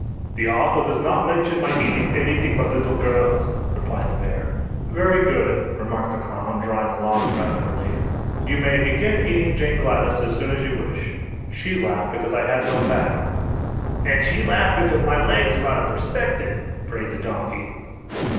"The author does not mention my eating anything but little girls," replied the bear. "Very good," remarked the clown, drawing a long breath of relief. "you may begin eating Jane Gladys as soon as you wish. She laughed because I had no back." "And she laughed because my legs are out of perspective," brayed the donkey.